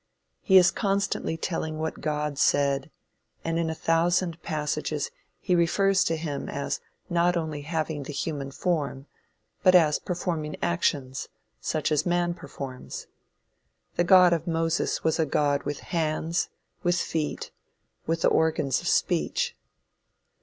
He is constantly telling what God said, and in a thousand passages he refers to him as not only having the human form, but as performing actions, such as man performs. The God of Moses was a God with hands, with feet, with the organs of speech.